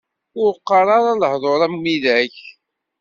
Ur qqar ara lehdur am widak!